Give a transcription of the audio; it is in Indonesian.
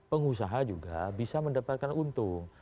pengusaha juga bisa mendapatkan untung